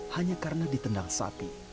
hanya karena ditendang sapi